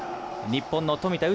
日本の富田